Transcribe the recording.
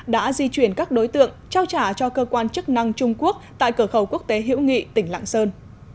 đã di chuyển các đối tượng trao trả cho cơ quan chức năng trung quốc tại cửa khẩu quốc tế hữu nghị tỉnh lạng sơn